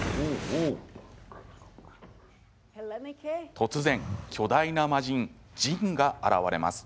突然、巨大な魔人ジンが現れます。